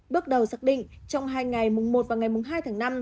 bước đầu xác định trong hai ngày mùng một và ngày mùng hai tháng năm